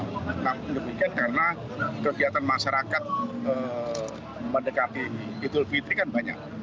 namun demikian karena kegiatan masyarakat mendekati idul fitri kan banyak